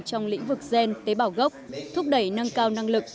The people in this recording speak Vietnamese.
trong lĩnh vực gen tế bảo gốc thúc đẩy nâng cao năng lực